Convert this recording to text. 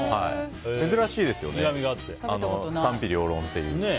珍しいですよね賛否両論っていう。